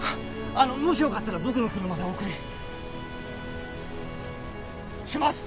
あのもしよかったら僕の車でお送りします！